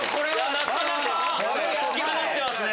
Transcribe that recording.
なかなか引き離してますね。